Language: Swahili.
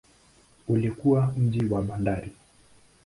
Ulikuwa mji wa bandari.